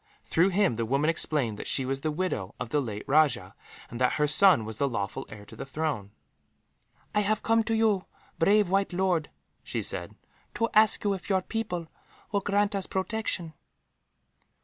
Through him, the woman explained that she was the widow of the late rajah, and that her son was the lawful heir to the throne. "I have come to you, brave white lord," she said, "to ask you if your people will grant us protection."